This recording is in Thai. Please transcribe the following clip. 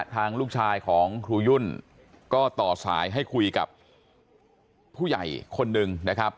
ทางลูกชายของครูยุ่นก็ต่อสายให้คุยกับผู้ใหญ่คนหนึ่งนะครับ